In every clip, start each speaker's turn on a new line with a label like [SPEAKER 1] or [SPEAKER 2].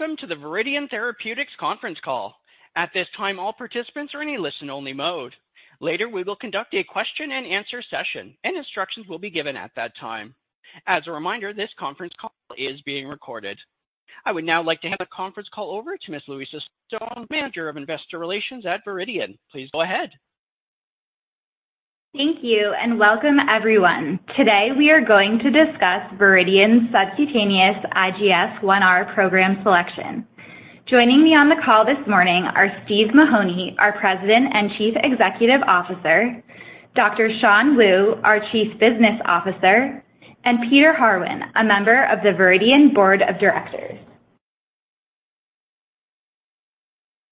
[SPEAKER 1] Welcome to the Viridian Therapeutics conference call. At this time, all participants are in a listen-only mode. Later, we will conduct a question-and-answer session and instructions will be given at that time. As a reminder, this conference call is being recorded. I would now like to hand the conference call over to Miss Louisa Stone, Manager of Investor Relations at Viridian Therapeutics. Please go ahead.
[SPEAKER 2] Thank you, and welcome everyone. Today, we are going to discuss Viridian's subcutaneous IGF-1R program selection. Joining me on the call this morning are Steve Mahoney, our President and Chief Executive Officer, Dr. Shan Liu, our Chief Business Officer, and Peter Harwin, a member of the Viridian Board of Directors.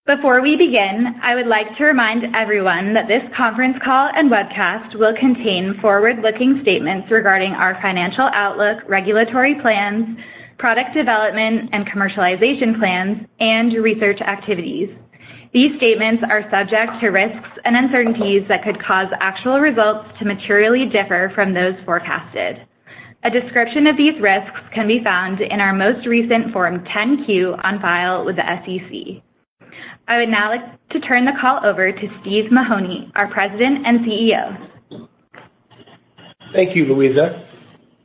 [SPEAKER 2] Before we begin, I would like to remind everyone that this conference call and webcast will contain forward-looking statements regarding our financial outlook, regulatory plans, product development and commercialization plans, and research activities. These statements are subject to risks and uncertainties that could cause actual results to materially differ from those forecasted. A description of these risks can be found in our most recent Form 10-Q on file with the SEC. I would now like to turn the call over to Steve Mahoney, our President and CEO.
[SPEAKER 3] Thank you, Louisa.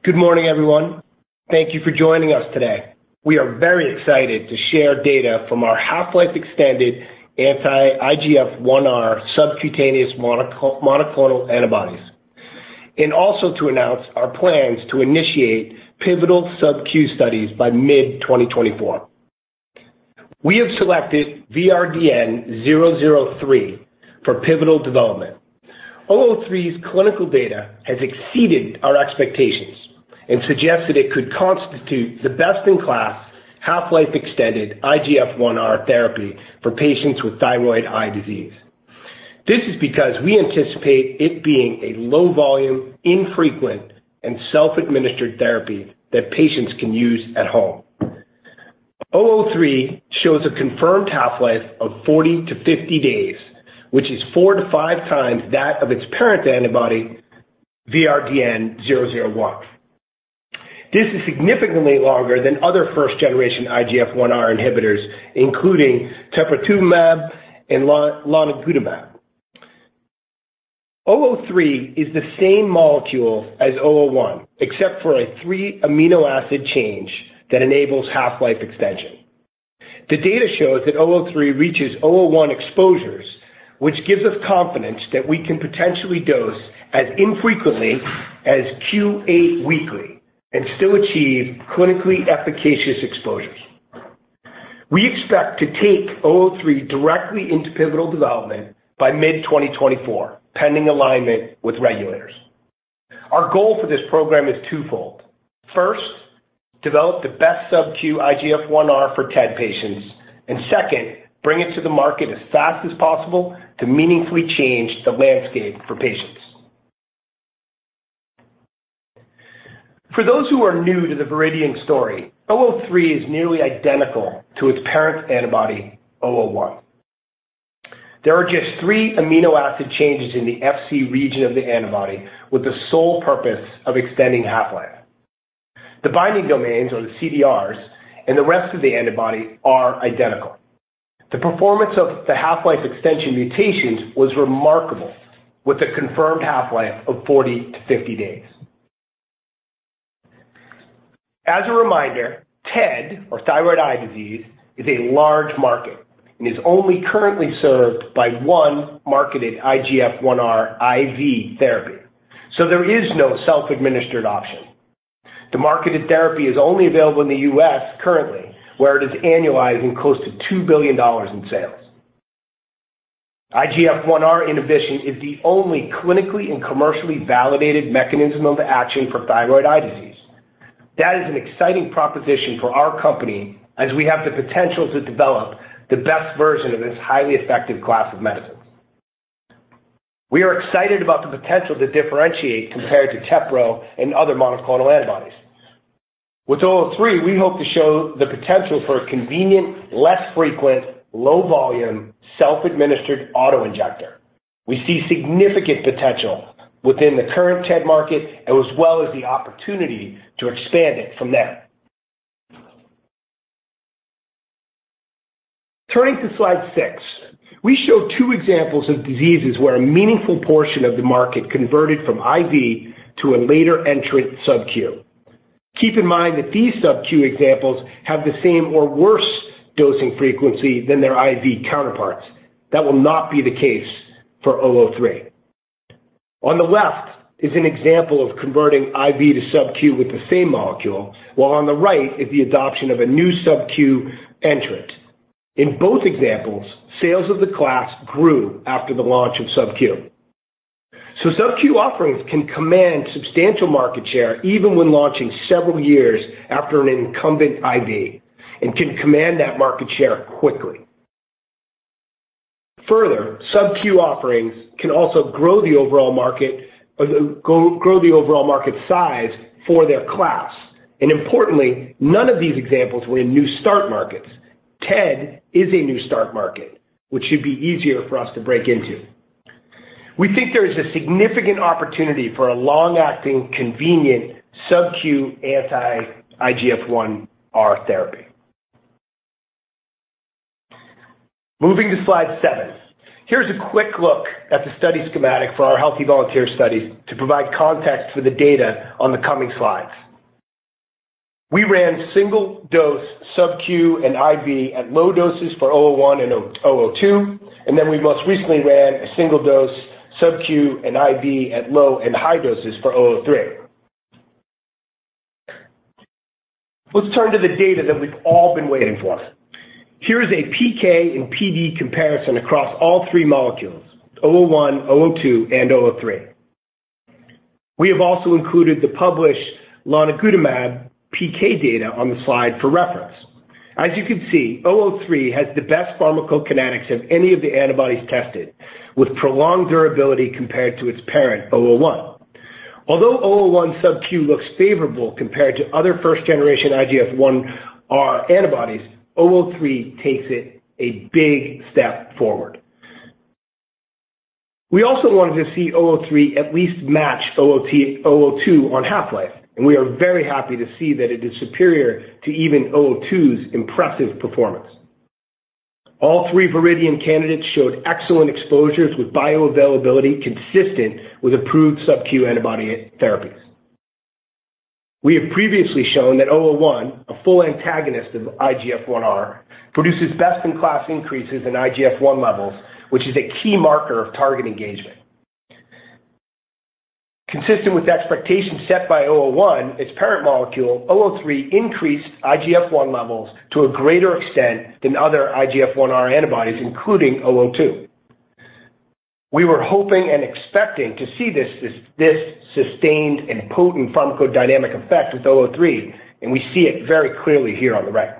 [SPEAKER 3] Good morning, everyone. Thank you for joining us today. We are very excited to share data from our half-life extended anti-IGF-1R subcutaneous monoclonal antibodies, and also to announce our plans to initiate pivotal subQ studies by mid-2024. We have selected VRDN-003 for pivotal development. 003's clinical data has exceeded our expectations and suggested it could constitute the best-in-class half-life extended IGF-1R therapy for patients with thyroid eye disease. This is because we anticipate it being a low volume, infrequent, and self-administered therapy that patients can use at home. 003 shows a confirmed half-life of 40-50 days, which is 4-5 times that of its parent antibody, VRDN-001. This is significantly longer than other first-generation IGF-1R inhibitors, including teprotumumab and lanadelumab. 003 is the same molecule as 001, except for a three amino acid change that enables half-life extension. The data shows that 003 reaches 001 exposures, which gives us confidence that we can potentially dose as infrequently as Q8 weekly and still achieve clinically efficacious exposures. We expect to take 003 directly into pivotal development by mid-2024, pending alignment with regulators. Our goal for this program is twofold. First, develop the best subQ IGF-1R for TED patients, and second, bring it to the market as fast as possible to meaningfully change the landscape for patients. For those who are new to the Viridian story, 003 is nearly identical to its parent antibody, 001. There are just three amino acid changes in the Fc region of the antibody with the sole purpose of extending half-life. The performance of the half-life extension mutations was remarkable, with a confirmed half-life of 40 days-50 days. As a reminder, TED or Thyroid Eye Disease, is a large market and is only currently served by one marketed IGF-1R IV therapy, so there is no self-administered option. The marketed therapy is only available in the U.S. currently, where it is annualizing close to $2 billion in sales. IGF-1R inhibition is the only clinically an commercially validated mechanism of action for Thyroid Eye Disease. That is an exciting proposition for our company as we have the potential to develop the best version of this highly effective class of medicines. We are excited about the potential to differentiate compared to Tepezza and other monoclonal antibodies. With 003, we hope to show the potential for a convenient, less frequent, low volume, self-administered auto-injector. We see significant potential within the current TED market and as well as the opportunity to expand it from there. Turning to Slide 6, we show two examples of diseases where a meaningful portion of the market converted from IV to a later entrant subQ. Keep in mind that these subQ examples have the same or worse dosing frequency than their IV counterparts. That will not be the case for 003. On the left is an example of converting IV to subQ with the same molecule, while on the right is the adoption of a new subQ entrant. In both examples, sales of the class grew after the launch of subQ. So subQ offerings can command substantial market share, even when launching several years after an incumbent IV, and can command that market share quickly. Further, subQ offerings can also grow the overall market size for their class. Importantly, none of these examples were in new start markets. TED is a new start market, which should be easier for us to break into. We think there is a significant opportunity for a long-acting, convenient, subQ anti-IGF-1R therapy. Moving to Slide seven. Here's a quick look at the study schematic for our healthy volunteer study to provide context for the data on the coming slides. We ran single-dose subQ and IV at low doses for 001 and 002, and then we most recently ran a single-dose subQ and IV at low and high doses for 003. Let's turn to the data that we've all been waiting for. Here is a PK and PD comparison across all three molecules, 001, 002, and 003. We have also included the published lanadelumab PK data on the slide for reference. As you can see, 003 has the best pharmacokinetics of any of the antibodies tested, with prolonged durability compared to its parent, 001. Although VRDN-001 subQ looks favorable compared to other first-generation IGF-1R antibodies, VRDN-003 takes it a big step forward. We also wanted to see VRDN-003 at least match VRDN-002 on half-life, and we are very happy to see that it is superior to even VRDN-002's impressive performance. All three Viridian candidates showed excellent exposures with bioavailability consistent with approved subQ antibody therapies. We have previously shown that VRDN-001, a full antagonist of IGF-1R, produces best-in-class increases in IGF-1 levels, which is a key marker of target engagement. Consistent with the expectations set by VRDN-001, its parent molecule, VRDN-003, increased IGF-1 levels to a greater extent than other IGF-1R antibodies, including VRDN-002. We were hoping and expecting to see this sustained and potent pharmacodynamic effect with VRDN-003, and we see it very clearly here on the right.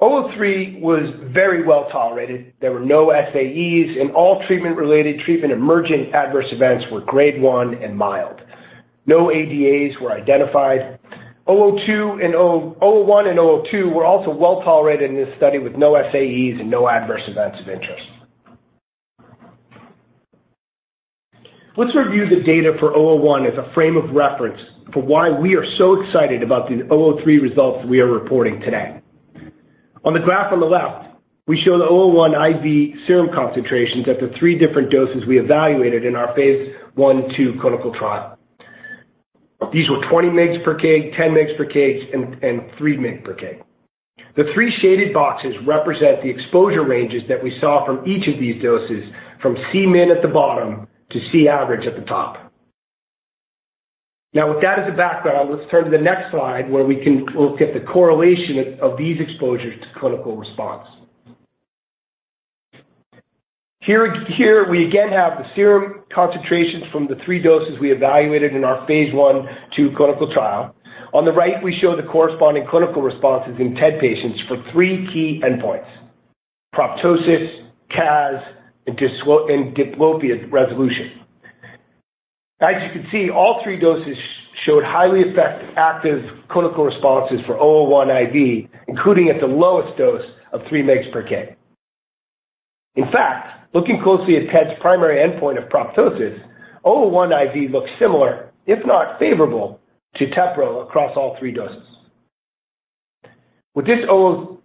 [SPEAKER 3] VRDN-003 was very well tolerated. There were no SAEs, and all treatment-related, treatment-emergent adverse events were grade one and mild. No ADAs were identified. VRDN-002 and VRDN-001 and VRDN-002 were also well tolerated in this study, with no SAEs and no adverse events of interest. Let's review the data for VRDN-001 as a frame of reference for why we are so excited about these VRDN-003 results we are reporting today. On the graph on the left, we show the VRDN-001 IV serum concentrations at the three different doses we evaluated in our phase I/II clinical trial. These were 20 mg/kg, 10 mg/kg, and three mg/kg. The three shaded boxes represent the exposure ranges that we saw from each of these doses, from Cmin at the bottom to Cavg at the top. Now, with that as a background, let's turn to the next slide, where we can look at the correlation of these exposures to clinical response. Here we again have the serum concentrations from the three doses we evaluated in our phase I/II clinical trial. On the right, we show the corresponding clinical responses in TED patients for three key endpoints: proptosis, CAS, and diplopia resolution. As you can see, all three doses showed highly effective clinical responses for VRDN-001 IV, including at the lowest dose of 3 mg per kg. In fact, looking closely at TED's primary endpoint of proptosis, VRDN-001 IV looks similar, if not favorable, to Tepezza, across all three doses. With this VRDN-001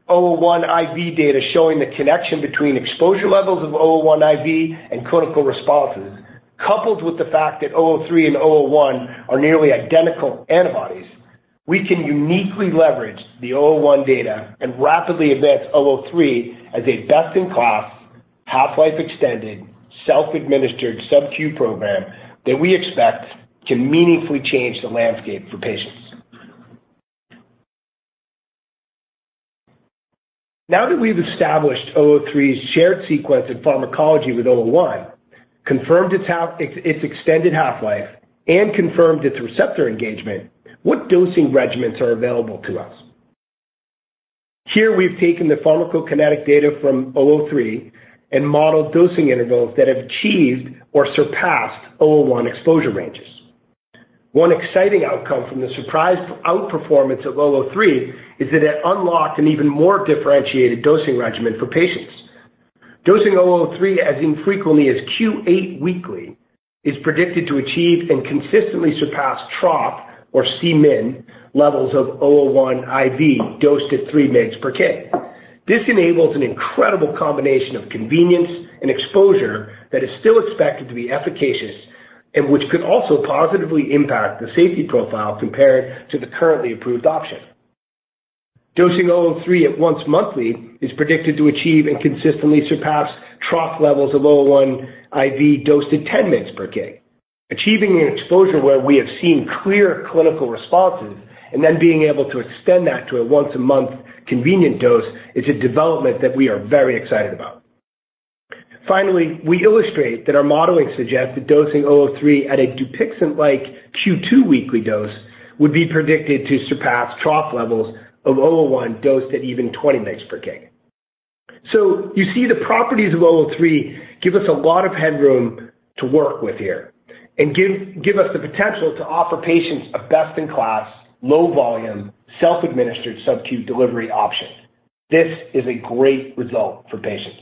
[SPEAKER 3] IV data showing the connection between exposure levels of VRDN-001 IV and clinical responses, coupled with the fact that VRDN-003 and VRDN-001 are nearly identical antibodies, we can uniquely leverage the VRDN-001 data and rapidly advance VRDN-003 as a best-in-class, half-life extended, self-administered subQ program that we expect can meaningfully change the landscape for patients. Now that we've established VRDN-003's shared sequence in pharmacology with VRDN-001, confirmed its extended half-life, and confirmed its receptor engagement, what dosing regimens are available to us? Here, we've taken the pharmacokinetic data from VRDN-003 and modeled dosing intervals that have achieved or surpassed VRDN-001 exposure ranges. One exciting outcome from the surprise outperformance of VRDN-003 is that it unlocked an even more differentiated dosing regimen for patients. Dosing VRDN-003 as infrequently as Q8W is predicted to achieve and consistently surpass trough, or Cmin, levels of VRDN-001 IV dosed at 3 mg/kg. This enables an incredible combination of convenience and exposure that is still expected to be efficacious, and which could also positively impact the safety profile compared to the currently approved option. Dosing VRDN-003 at once monthly is predicted to achieve and consistently surpass trough levels of VRDN-001 IV dosed at 10 mg/kg. Achieving an exposure where we have seen clear clinical responses, and then being able to extend that to a once-a-month convenient dose, is a development that we are very excited about. Finally, we illustrate that our modeling suggests that dosing VRDN-003 at a Dupixent-like Q2W dose would be predicted to surpass trough levels of VRDN-001 dosed at even 20 mg/kg. So you see the properties of VRDN-003 give us a lot of headroom to work with here... and give, give us the potential to offer patients a best-in-class, low volume, self-administered subQ delivery option. This is a great result for patients.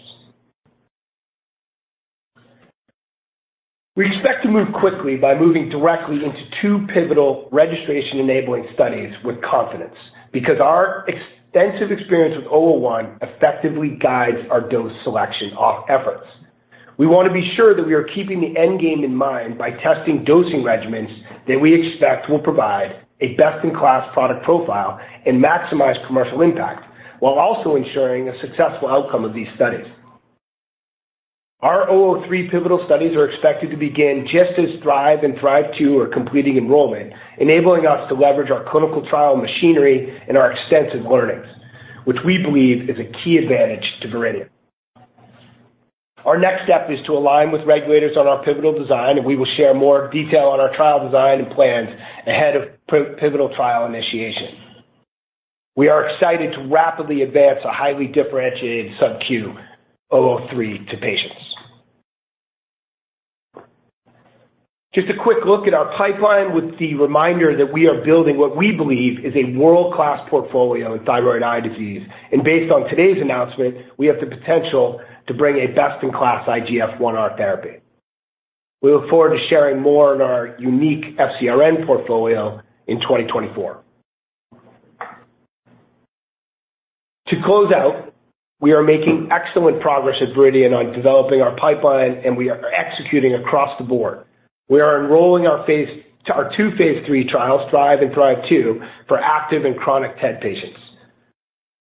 [SPEAKER 3] We expect to move quickly by moving directly into two pivotal registration-enabling studies with confidence, because our extensive experience with VRDN-001 effectively guides our dose selection efforts. We want to be sure that we are keeping the end game in mind by testing dosing regimens that we expect will provide a best-in-class product profile and maximize commercial impact, while also ensuring a successful outcome of these studies. Our VRDN-003 pivotal studies are expected to begin just as THRIVE and THRIVE-2 are completing enrollment, enabling us to leverage our clinical trial machinery and our extensive learnings, which we believe is a key advantage to Viridian. Our next step is to align with regulators on our pivotal design, and we will share more detail on our trial design and plans ahead of pivotal trial initiation. We are excited to rapidly advance a highly differentiated subQ VRDN-003 to patients. Just a quick look at our pipeline with the reminder that we are building what we believe is a world-class portfolio in thyroid eye disease, and based on today's announcement, we have the potential to bring a best-in-class IGF-1R therapy. We look forward to sharing more on our unique FcRn portfolio in 2024. To close out, we are making excellent progress at Viridian on developing our pipeline, and we are executing across the board. We are enrolling our phase III trials, THRIVE and THRIVE-2, for active and chronic TED patients.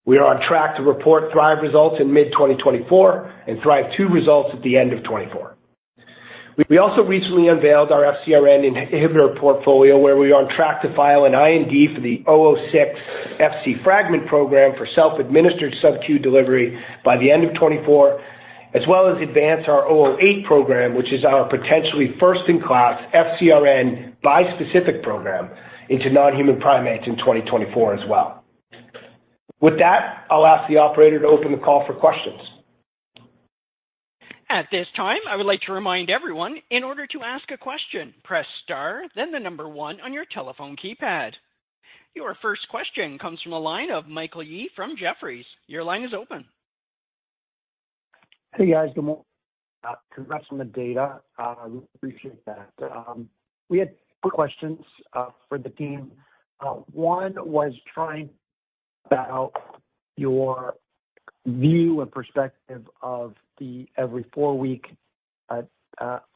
[SPEAKER 3] We are on track to report THRIVE results in mid-2024 and THRIVE-2 results at the end of 2024. We also recently unveiled our FcRn inhibitor portfolio, where we are on track to file an IND for the VRDN-006 Fc fragment program for self-administered subQ delivery by the end of 2024, as well as advance our VRDN-008 program, which is our potentially first-in-class FcRn bispecific program, into non-human primates in 2024 as well. With that, I'll ask the operator to open the call for questions.
[SPEAKER 1] At this time, I would like to remind everyone, in order to ask a question, press star, then the number one on your telephone keypad. Your first question comes from the line of Michael Yee from Jefferies. Your line is open.
[SPEAKER 4] Hey, guys. Good morning. Congrats on the data. Appreciate that. We had quick questions for the team. One was trying about your view and perspective of the every four-week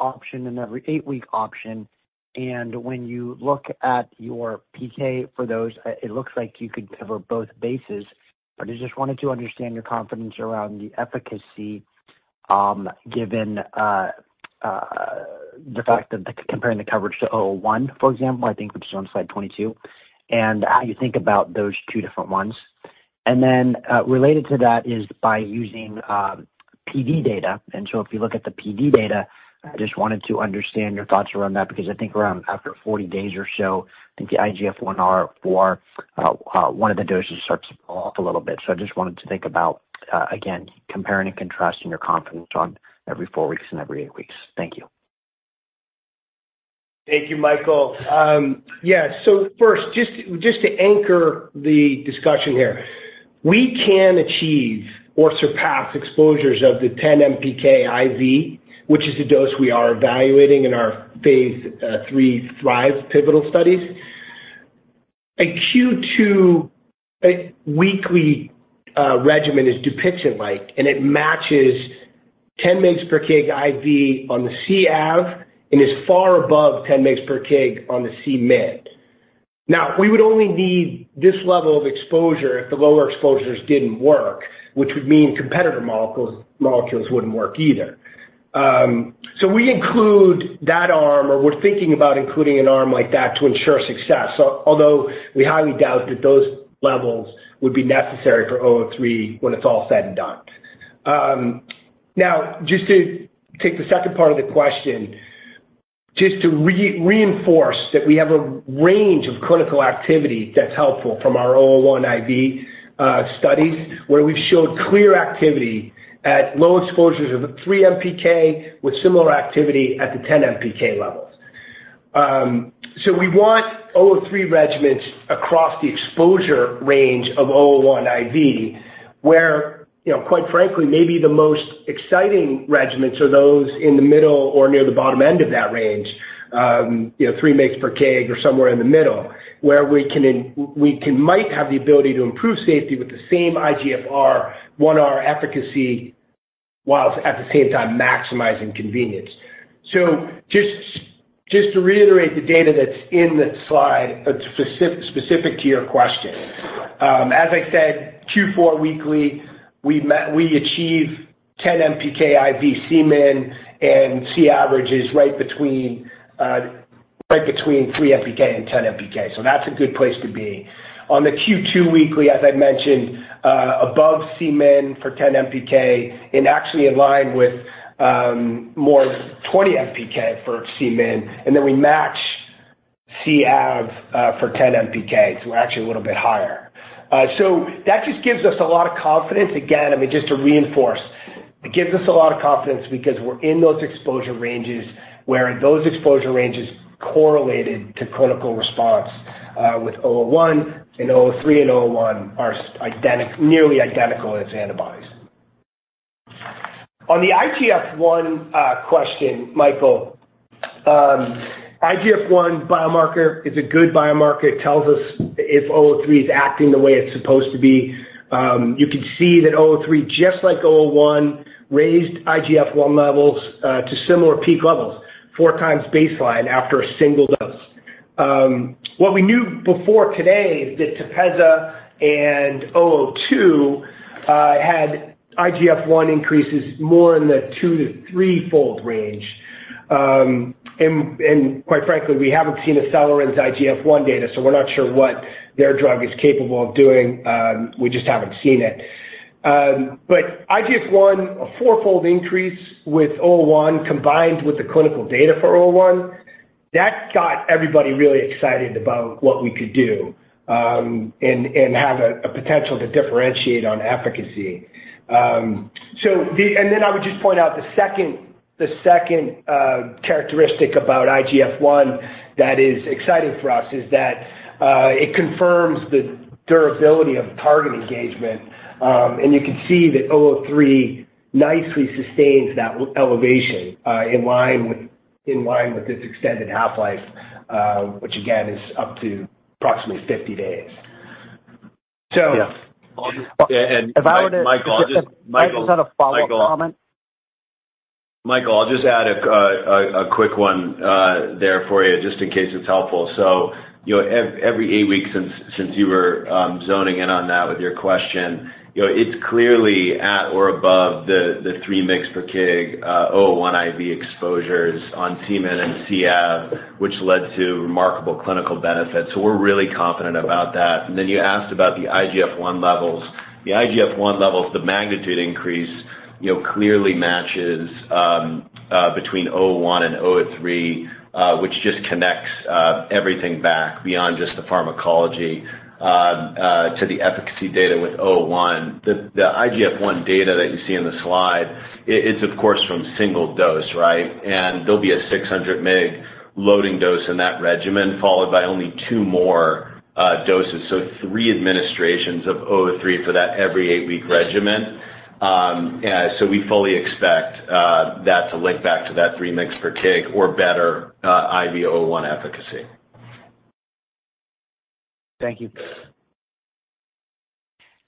[SPEAKER 4] option and every eight-week option. And when you look at your PK for those, it looks like you could cover both bases. But I just wanted to understand your confidence around the efficacy, given the fact that comparing the coverage to 001, for example, I think which is on slide 22, and how you think about those two different ones. And then, related to that is by using PD data. So if you look at the PD data, I just wanted to understand your thoughts around that, because I think around after 40 days or so, I think the IGF-1R for one of the doses starts to fall off a little bit. So I just wanted to think about, again, comparing and contrasting your confidence on every four weeks and every eight weeks. Thank you.
[SPEAKER 3] Thank you, Michael. Yeah. So first, just to anchor the discussion here, we can achieve or surpass exposures of the 10 mg/kg IV, which is the dose we are evaluating in our phase 3 THRIVE pivotal studies. A Q2W regimen is Dupixent-like, and it matches 10 mg/kg IV on the Cavg and is far above 10 mg/kg on the Cmin. Now, we would only need this level of exposure if the lower exposures didn't work, which would mean competitor molecules wouldn't work either. So we include that arm, or we're thinking about including an arm like that to ensure success, so although we highly doubt that those levels would be necessary for 003 when it's all said and done. Now, just to take the second part of the question, just to reinforce that we have a range of clinical activity that's helpful from our VRDN-001 IV studies, where we've showed clear activity at low exposures of the 3 mg/kg with similar activity at the 10 mg/kg levels. So we want VRDN-003 regimens across the exposure range of VRDN-001 IV, where, you know, quite frankly, maybe the most exciting regimens are those in the middle or near the bottom end of that range. You know, 3 mg/kg or somewhere in the middle, where we can we can might have the ability to improve safety with the same IGF-1R efficacy, while at the same time maximizing convenience. So just, just to reiterate the data that's in the slide, specific to your question. As I said, Q4 weekly, we achieve 10 MPK IV Cmin and C averages right between, right between 3 MPK and 10 MPK. So that's a good place to be. On the Q2 weekly, as I mentioned, above Cmin for 10 MPK and actually in line with, more than 20 MPK for Cmin, and then we match Cavg for 10 MPK, so we're actually a little bit higher. So that just gives us a lot of confidence. Again, I mean, just to reinforce, it gives us a lot of confidence because we're in those exposure ranges, where in those exposure ranges correlated to clinical response with 001 and 003 and 001 are nearly identical in its antibodies. On the IGF-1 question, Michael, IGF-1 biomarker is a good biomarker. It tells us if VRDN-003 is acting the way it's supposed to be. You can see that VRDN-003, just like VRDN-001, raised IGF-1 levels to similar peak levels, times times baseline after a single dose. What we knew before today is that Tepezza and VRDN-002 had IGF-1 increases more in the 2- to 3-fold range. And quite frankly, we haven't seen Acelyrin's IGF-1 data, so we're not sure what their drug is capable of doing. We just haven't seen it. But IGF-1, a four fold increase with VRDN-001, combined with the clinical data for VRDN-001, that got everybody really excited about what we could do, and have a potential to differentiate on efficacy. So the... And then I would just point out the second characteristic about IGF-1 that is exciting for us is that it confirms the durability of target engagement. And you can see that 003 nicely sustains that elevation in line with its extended half-life, which again, is up to approximately 50 days. So-
[SPEAKER 5] Yeah, and if I would- Michael, Michael
[SPEAKER 3] Just had a follow-up comment.
[SPEAKER 5] Michael, I'll just add a quick one there for you, just in case it's helpful. So, you know, every eight weeks since you were zoning in on that with your question, you know, it's clearly at or above the 3 mg per kg 001 IV exposures on Cmin and Cavg, which led to remarkable clinical benefits. So we're really confident about that. And then you asked about the IGF-1 levels. The IGF-1 levels, the magnitude increase, you know, clearly matches between 001 and 003, which just connects everything back beyond just the pharmacology to the efficacy data with 001. The IGF-1 data that you see in the slide, it is, of course, from single dose, right? There'll be a 600 mg loading dose in that regimen, followed by only 2 more doses. 3 administrations of VRDN-003 for that every 8-week regimen. We fully expect that to link back to that 3 mg per kg or better IV VRDN-001 efficacy.
[SPEAKER 4] Thank you.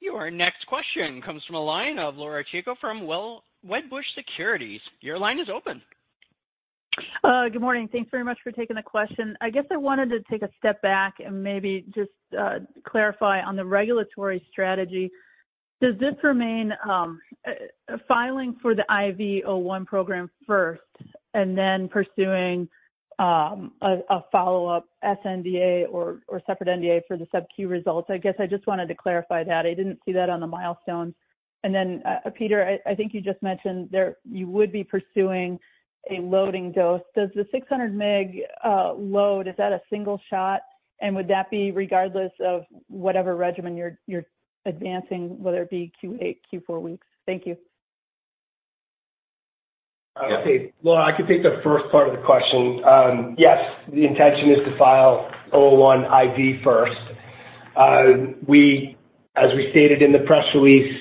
[SPEAKER 1] Your next question comes from the line of Laura Chico from Wedbush Securities. Your line is open.
[SPEAKER 6] Good morning. Thanks very much for taking the question. I guess I wanted to take a step back and maybe just clarify on the regulatory strategy. Does this remain filing for the VRDN-001 program first and then pursuing a follow-up sNDA or separate NDA for the subQ results? I guess I just wanted to clarify that. I didn't see that on the milestones. Then, Peter, I think you just mentioned there, you would be pursuing a loading dose. Does the 600 mg load, is that a single shot? And would that be regardless of whatever regimen you're advancing, whether it be Q8, Q4 weeks? Thank you.
[SPEAKER 3] Okay. Well, I can take the first part of the question. Yes, the intention is to file VRDN-001 IV first. We, as we stated in the press release,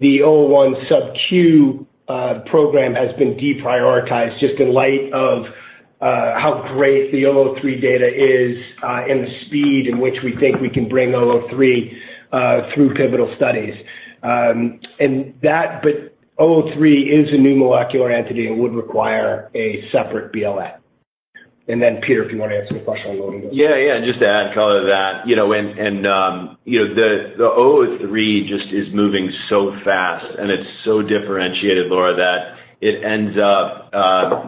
[SPEAKER 3] the VRDN-001 subQ program has been deprioritized just in light of how great the VRDN-003 data is, and the speed in which we think we can bring VRDN-003 through pivotal studies. And that, but VRDN-003 is a new molecular entity and would require a separate BLA. And then, Peter, if you want to answer the question on loading dose.
[SPEAKER 5] Yeah, yeah, just to add color to that, you know, and the 003 just is moving so fast, and it's so differentiated, Laura, that it ends up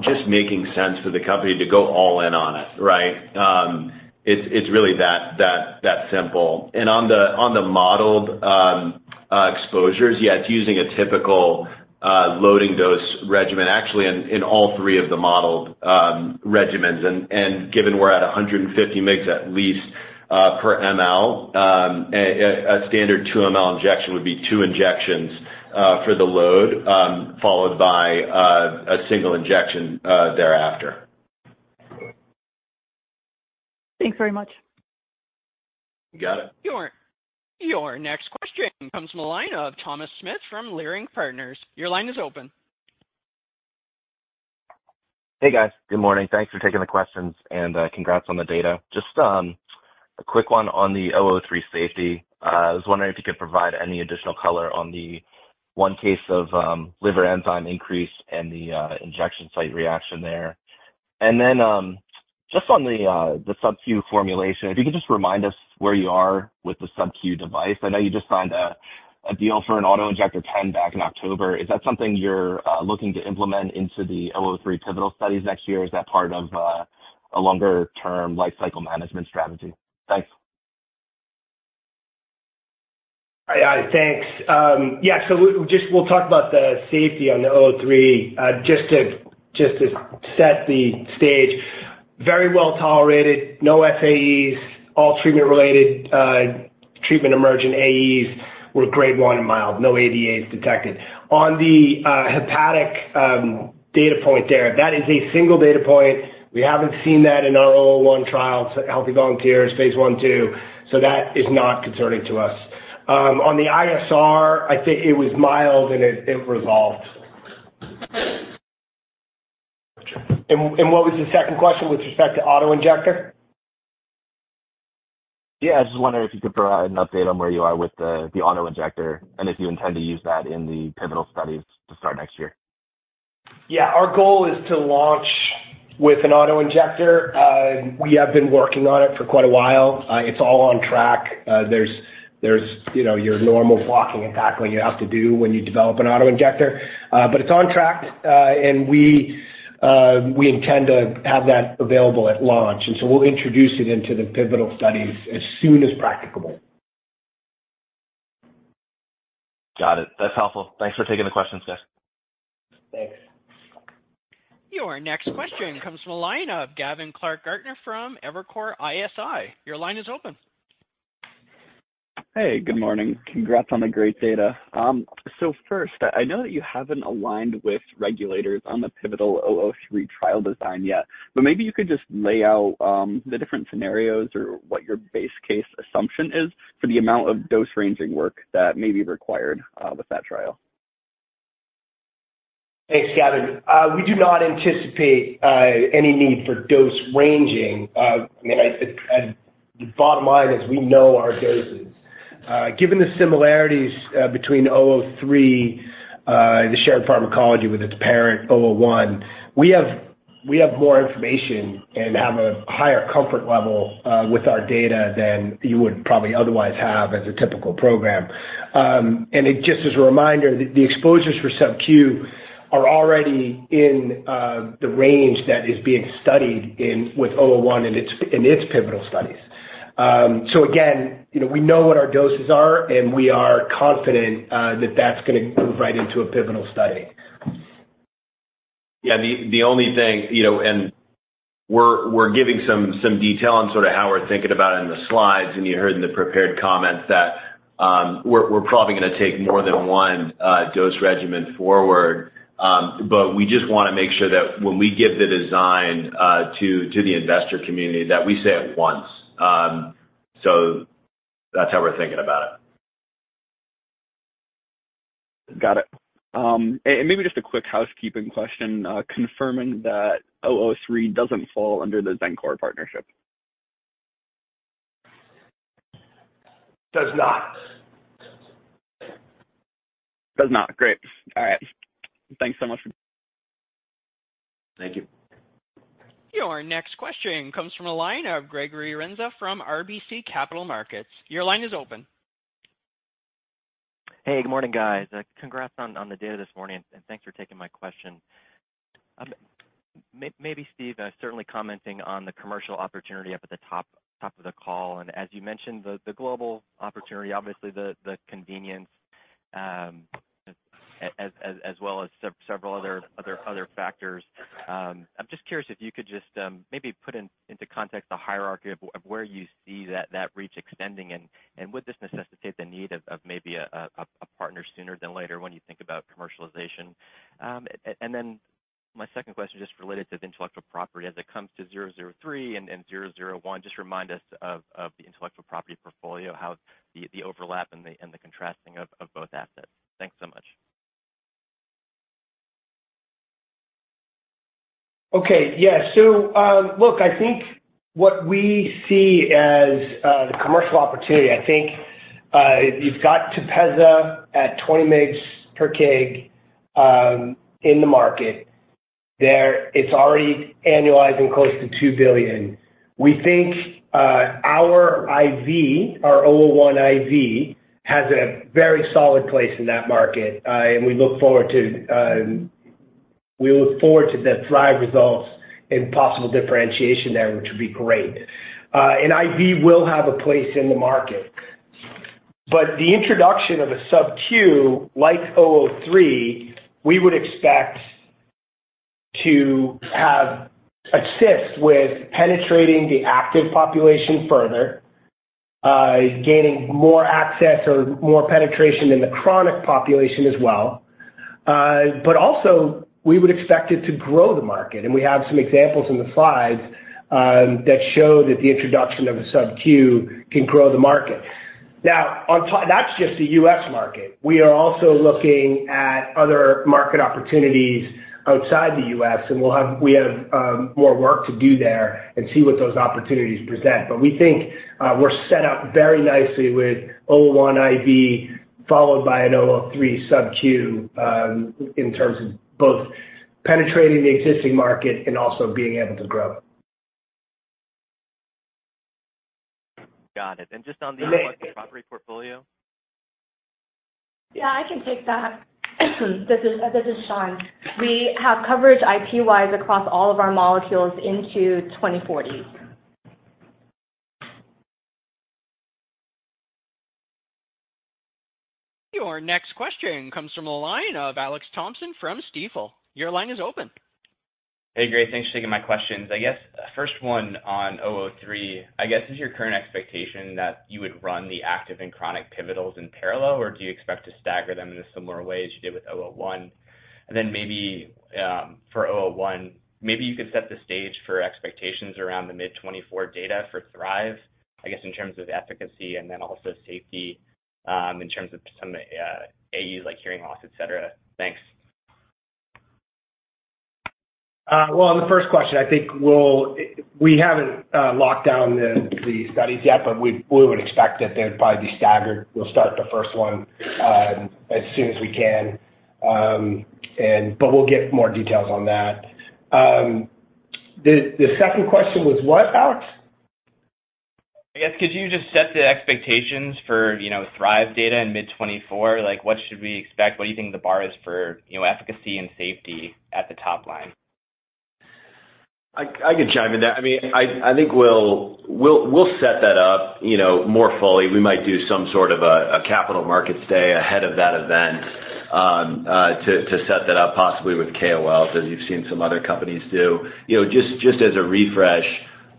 [SPEAKER 5] just making sense for the company to go all in on it, right? It's really that simple. And on the modeled exposures, yeah, it's using a typical loading dose regimen, actually in all three of the modeled regimens. And given we're at 150 mg at least per mL, a standard 2 mL injection would be two injections for the load, followed by a single injection thereafter.
[SPEAKER 6] Thanks very much.
[SPEAKER 5] You got it.
[SPEAKER 1] Your next question comes from the line of Thomas Smith from Leerink Partners. Your line is open.
[SPEAKER 7] Hey, guys. Good morning. Thanks for taking the questions, and congrats on the data. Just a quick one on the VRDN-003 safety. I was wondering if you could provide any additional color on the one case of liver enzyme increase and the injection site reaction there. And then just on the subQ formulation, if you could just remind us where you are with the subQ device. I know you just signed a deal for an auto-injector then back in October. Is that something you're looking to implement into the VRDN-003 pivotal studies next year? Is that part of a longer-term lifecycle management strategy? Thanks.
[SPEAKER 3] Hi, thanks. Yeah, so we'll just talk about the safety on the 003. Just to set the stage, very well tolerated, no SAEs, all treatment-related treatment-emergent AEs were grade 1 and mild, no ADAs detected. On the hepatic data point there, that is a single data point. We haven't seen that in our 001 trial, so healthy volunteers, phase 1, 2, so that is not concerning to us. On the ISR, I think it was mild and it resolved. And what was the second question with respect to auto-injector?
[SPEAKER 7] Yeah, I was just wondering if you could provide an update on where you are with the auto-injector, and if you intend to use that in the pivotal studies to start next year?
[SPEAKER 3] Yeah, our goal is to launch with an auto-injector. We have been working on it for quite a while. It's all on track. There's, you know, your normal blocking and tackling you have to do when you develop an auto-injector. But it's on track, and we intend to have that available at launch, and so we'll introduce it into the pivotal studies as soon as practicable.
[SPEAKER 7] Got it. That's helpful. Thanks for taking the questions, guys.
[SPEAKER 3] Thanks.
[SPEAKER 1] Your next question comes from the line of Gavin Clark-Gartner from Evercore ISI. Your line is open.
[SPEAKER 8] Hey, good morning. Congrats on the great data. So first, I know that you haven't aligned with regulators on the pivotal 003 trial design yet, but maybe you could just lay out the different scenarios or what your base case assumption is for the amount of dose-ranging work that may be required with that trial?
[SPEAKER 3] Thanks, Gavin. We do not anticipate any need for dose ranging. I mean, the bottom line is, we know our doses. Given the similarities between zero zero three, the shared pharmacology with its parent, zero zero one, we have more information and have a higher comfort level with our data than you would probably otherwise have as a typical program. And just as a reminder, the exposures for subQ are already in the range that is being studied in with zero zero one in its pivotal studies. So again, you know, we know what our doses are, and we are confident that that's gonna move right into a pivotal study.
[SPEAKER 5] Yeah, the only thing, you know, and we're giving some detail on sort of how we're thinking about it in the slides, and you heard in the prepared comments that we're probably gonna take more than one dose regimen forward. But we just wanna make sure that when we give the design to the investor community, that we say it once. So that's how we're thinking about it.
[SPEAKER 8] Got it. And maybe just a quick housekeeping question, confirming that 003 doesn't fall under the Xencor partnership?
[SPEAKER 3] Does not.
[SPEAKER 8] Does not. Great. All right. Thanks so much.
[SPEAKER 5] Thank you.
[SPEAKER 1] Your next question comes from the line of Gregory Renza from RBC Capital Markets. Your line is open.
[SPEAKER 9] Hey, good morning, guys. Congrats on, on the data this morning, and thanks for taking my question. Maybe Steve, certainly commenting on the commercial opportunity up at the top, top of the call, and as you mentioned, the, the global opportunity, obviously the, the convenience, as, as, as well as several other, other, other factors. I'm just curious if you could just, maybe put into context the hierarchy of where you see that, that reach extending, and, and would this necessitate the need of, of maybe a, a, a partner sooner than later when you think about commercialization? And then my second question, just related to the intellectual property. As it comes to VRDN-003 and VRDN-001, just remind us of the intellectual property portfolio, how the overlap and the contrasting of both assets. Thanks so much.
[SPEAKER 3] Okay. Yeah. So, look, I think what we see as, the commercial opportunity, I think, you've got Tepezza at 20 mg/kg, in the market. There, it's already annualizing close to $2 billion. We think, our IV, our VRDN-001 IV, has a very solid place in that market, and we look forward to, we look forward to the THRIVE results and possible differentiation there, which would be great. And IV will have a place in the market. But the introduction of a subQ like VRDN-003, we would expect to have assist with penetrating the active population further, gaining more access or more penetration in the chronic population as well. But also, we would expect it to grow the market, and we have some examples in the slides that show that the introduction of a subQ can grow the market. Now, on top-- that's just the U.S. market. We are also looking at other market opportunities outside the U.S., and we have more work to do there and see what those opportunities present. But we think, we're set up very nicely with 001 IV, followed by a 003 subQ, in terms of both penetrating the existing market and also being able to grow.
[SPEAKER 9] Got it. And just on the intellectual property portfolio?
[SPEAKER 10] Yeah, I can take that. This is Sean. We have coverage IP-wise across all of our molecules into 2040.
[SPEAKER 1] Your next question comes from the line of Alex Thompson from Stifel. Your line is open.
[SPEAKER 11] Hey, great. Thanks for taking my questions. I guess, first one on 003. I guess, is your current expectation that you would run the active and chronic pivotals in parallel, or do you expect to stagger them in a similar way as you did with 001? And then maybe for 001, maybe you could set the stage for expectations around the mid-2024 data for THRIVE, I guess, in terms of efficacy and then also safety in terms of some AEs like hearing loss, et cetera. Thanks.
[SPEAKER 3] Well, on the first question, I think we haven't locked down the studies yet, but we would expect that they'd probably be staggered. We'll start the first one as soon as we can. But we'll get more details on that. The second question was what, Alex?
[SPEAKER 11] I guess, could you just set the expectations for, you know, THRIVE data in mid-2024? Like, what should we expect? What do you think the bar is for, you know, efficacy and safety at the top line?
[SPEAKER 5] I can chime in there. I mean, I think we'll set that up, you know, more fully. We might do some sort of a capital markets day ahead of that event to set that up, possibly with KOLs, as you've seen some other companies do. You know, just as a refresh,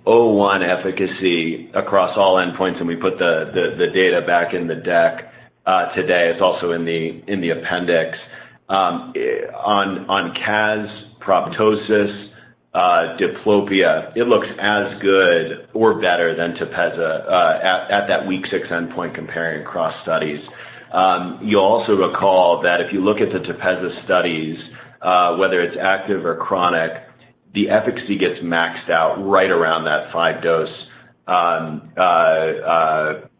[SPEAKER 5] overall efficacy across all endpoints, and we put the data back in the deck today. It's also in the appendix. On CAS, proptosis, diplopia, it looks as good or better than Tepezza at that week 6 endpoint comparing across studies. You'll also recall that if you look at the Tepezza studies, whether it's active or chronic, the efficacy gets maxed out right around that five dose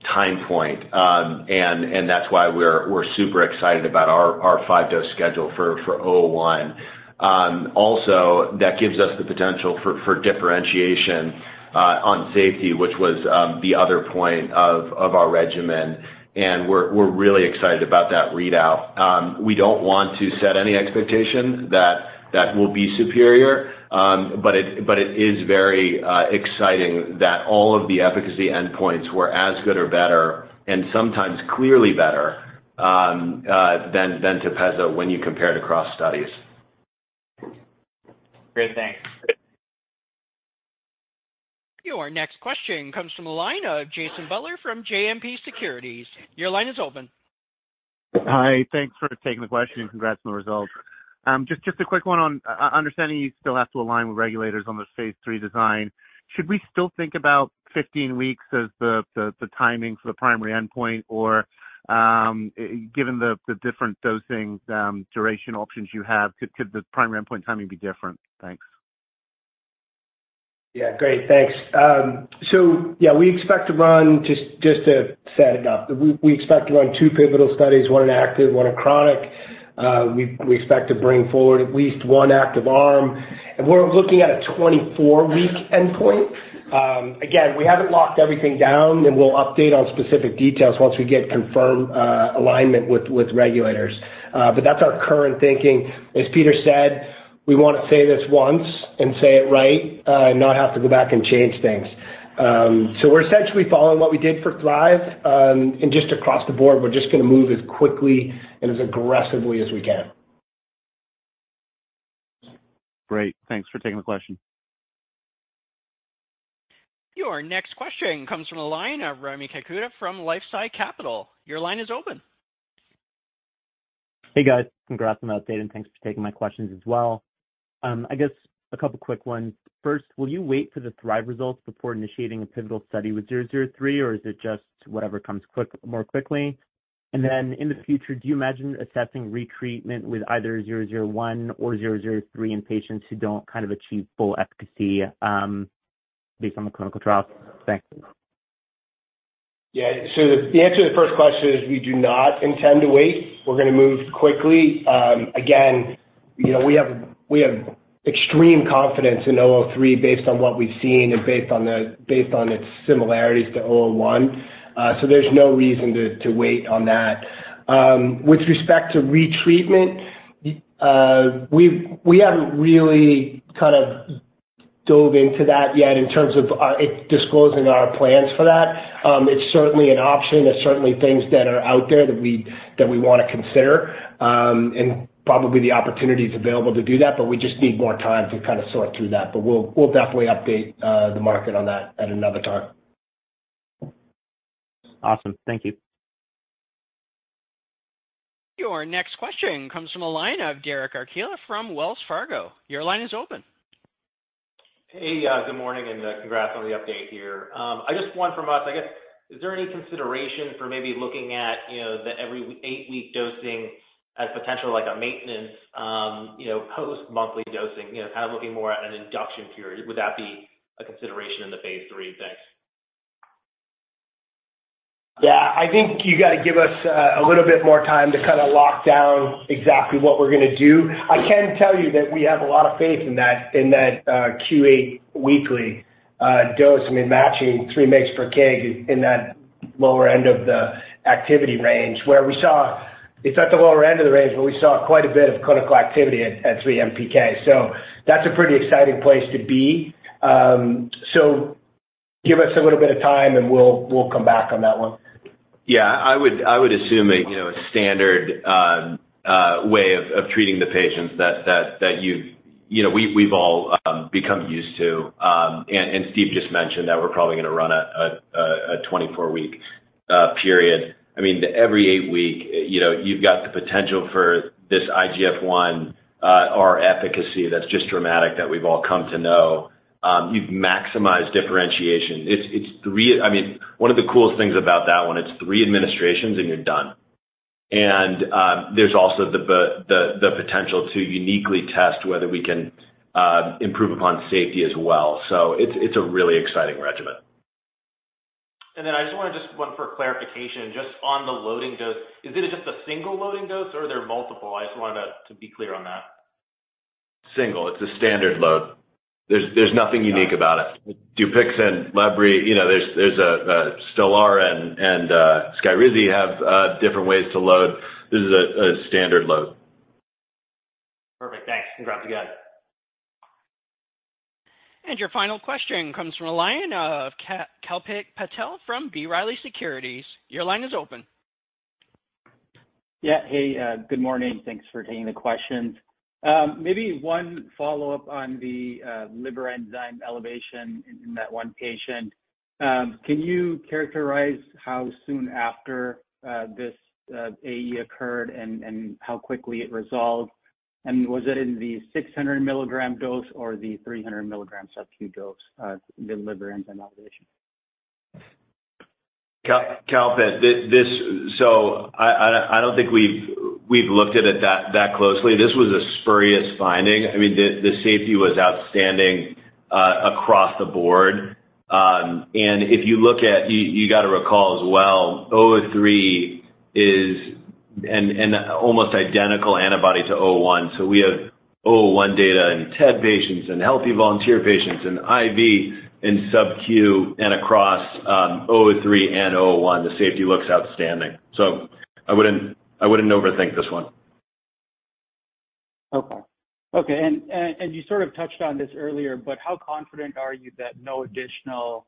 [SPEAKER 5] time point. That's why we're super excited about our five-dose schedule for VRDN-001. Also, that gives us the potential for differentiation on safety, which was the other point of our regimen, and we're really excited about that readout. We don't want to set any expectations that that will be superior, but it is very exciting that all of the efficacy endpoints were as good or better and sometimes clearly better than Tepezza when you compare it across studies.
[SPEAKER 11] Great. Thanks.
[SPEAKER 1] Your next question comes from the line of Jason Butler from JMP Securities. Your line is open.
[SPEAKER 12] Hi. Thanks for taking the question, and congrats on the results. Just a quick one on understanding you still have to align with regulators on the Phase III design. Should we still think about 15 weeks as the timing for the primary endpoint? Or, given the different dosing duration options you have, could the primary endpoint timing be different? Thanks.
[SPEAKER 3] Yeah, great. Thanks. So yeah, we expect to run... Just, just to set it up, we expect to run two pivotal studies, one in active, one in chronic. We expect to bring forward at least one active arm, and we're looking at a 24-week endpoint. Again, we haven't locked everything down, and we'll update on specific details once we get confirmed alignment with regulators. But that's our current thinking. As Peter said, we want to say this once and say it right, and not have to go back and change things. So we're essentially following what we did for THRIVE, and just across the board, we're just gonna move as quickly and as aggressively as we can.
[SPEAKER 12] Great. Thanks for taking the question.
[SPEAKER 1] Your next question comes from the line of Rami Katkhuda from LifeSci Capital. Your line is open.
[SPEAKER 13] Hey, guys. Congrats on the update, and thanks for taking my questions as well. I guess a couple quick ones. First, will you wait for the THRIVE results before initiating a pivotal study with 003, or is it just whatever comes quick, more quickly? And then, in the future, do you imagine assessing retreatment with either 001 or 003 in patients who don't kind of achieve full efficacy, based on the clinical trials? Thanks.
[SPEAKER 3] Yeah. So the answer to the first question is we do not intend to wait. We're gonna move quickly. Again, you know, we have extreme confidence in VRDN-003 based on what we've seen and based on its similarities to VRDN-001. So there's no reason to wait on that. With respect to retreatment, we haven't really kind of dove into that yet in terms of our disclosing our plans for that. It's certainly an option. There's certainly things that are out there that we wanna consider, and probably the opportunities available to do that, but we just need more time to kind of sort through that. But we'll definitely update the market on that at another time.
[SPEAKER 13] Awesome. Thank you.
[SPEAKER 1] Your next question comes from a line of Derek Archila from Wells Fargo. Your line is open.
[SPEAKER 14] Hey, good morning, and, congrats on the update here. I just one from us, I guess, is there any consideration for maybe looking at, you know, the every 8-week dosing as potential, like a maintenance, you know, post-monthly dosing, you know, kind of looking more at an induction period? Would that be a consideration in the Phase III? Thanks.
[SPEAKER 3] Yeah, I think you got to give us a little bit more time to kind of lock down exactly what we're going to do. I can tell you that we have a lot of faith in that Q8 weekly dose. I mean, matching 3 mg/kg in that lower end of the activity range, where we saw—it's at the lower end of the range, but we saw quite a bit of clinical activity at 3 mg/kg. So that's a pretty exciting place to be. So give us a little bit of time, and we'll come back on that one.
[SPEAKER 5] Yeah, I would assume that, you know, a standard way of treating the patients that you've... You know, we've all become used to, and Steve just mentioned that we're probably going to run a 24-week period. I mean, every 8-week, you know, you've got the potential for this IGF-1R efficacy, that's just dramatic, that we've all come to know. You've maximized differentiation. It's three- I mean, one of the coolest things about that one, it's 3 administrations, and you're done. And there's also the potential to uniquely test whether we can improve upon safety as well. So it's a really exciting regimen.
[SPEAKER 14] Then I just want to just one for clarification, just on the loading dose. Is it just a single loading dose or are there multiple? I just wanted to be clear on that.
[SPEAKER 5] Single. It's a standard load. There's nothing unique about it. Dupixent, Lebrikizumab, you know, there's Stelara and Skyrizi have different ways to load. This is a standard load.
[SPEAKER 14] Perfect. Thanks. Congrats again.
[SPEAKER 1] Your final question comes from the line of Kalpit Patel from B. Riley Securities. Your line is open.
[SPEAKER 15] Yeah. Hey, good morning. Thanks for taking the questions. Maybe one follow-up on the liver enzyme elevation in that one patient. Can you characterize how soon after this AE occurred and how quickly it resolved? And was it in the 600 mg dose or the 300 mg subq dose, the liver enzyme elevation?
[SPEAKER 5] Kalpit, this... So I don't think we've looked at it that closely. This was a spurious finding. I mean, the safety was outstanding across the board. And if you look at... You got to recall as well, 003 is an almost identical antibody to 001. So we have 001 data in TED patients and healthy volunteer patients, in IV and subQ and across 003 and 001. The safety looks outstanding, so I wouldn't overthink this one.
[SPEAKER 15] Okay. Okay, and you sort of touched on this earlier, but how confident are you that no additional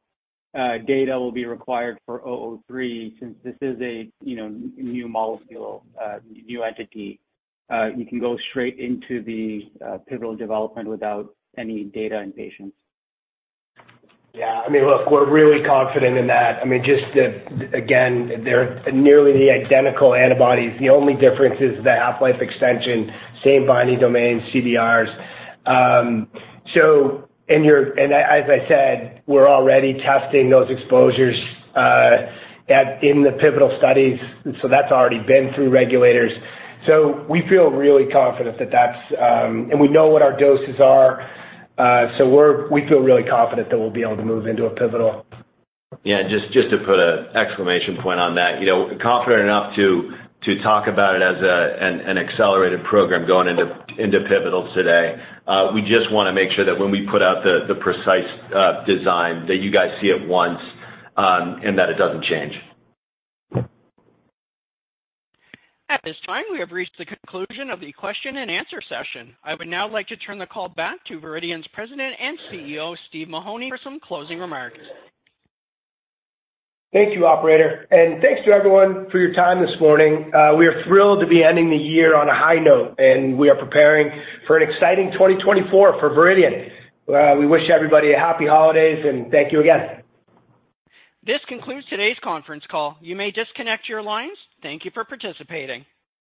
[SPEAKER 15] data will be required for 003, since this is a, you know, new molecule, new entity, you can go straight into the pivotal development without any data in patients?
[SPEAKER 3] Yeah. I mean, look, we're really confident in that. I mean, just the, again, they're nearly identical antibodies. The only difference is the half-life extension, same binding domain, CDRs. So and as I said, we're already testing those exposures at in the pivotal studies, so that's already been through regulators. So we feel really confident that that's. And we know what our doses are, so we feel really confident that we'll be able to move into a pivotal.
[SPEAKER 5] Yeah, just to put an exclamation point on that, you know, confident enough to talk about it as an accelerated program going into pivotal today. We just want to make sure that when we put out the precise design, that you guys see it once, and that it doesn't change.
[SPEAKER 1] At this time, we have reached the conclusion of the question and answer session. I would now like to turn the call back to Viridian's President and CEO, Steve Mahoney, for some closing remarks.
[SPEAKER 3] Thank you, operator, and thanks to everyone for your time this morning. We are thrilled to be ending the year on a high note, and we are preparing for an exciting 2024 for Viridian. We wish everybody a happy holidays, and thank you again.
[SPEAKER 1] This concludes today's conference call. You may disconnect your lines. Thank you for participating.